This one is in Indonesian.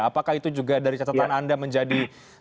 apakah itu juga dari catatan anda menjadi salah satu kesalahan